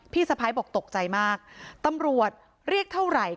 สะพ้ายบอกตกใจมากตำรวจเรียกเท่าไหร่